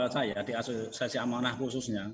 saya di asosiasi amanah khususnya